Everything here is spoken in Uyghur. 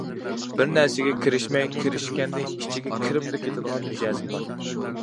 بىر نەرسىگە كىرىشمەي، كىرىشكەندە ئىچىگە كىرىپلا كېتىدىغان مىجەزىم بار.